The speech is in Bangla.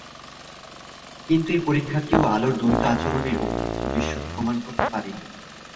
কিন্তু এ পরীক্ষাটিও আলোর দ্বৈত আচরণের অস্তিত্ব দৃশ্যত প্রমাণ করতে পারেনি।